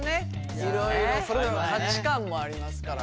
いろいろそれぞれの価値観もありますから。